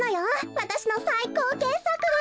わたしのさいこうけっさくが。